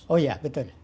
oh ya betul